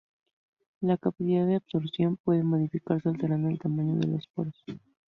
La capacidad de adsorción puede modificarse alterando el tamaño de los poros.